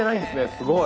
すごい。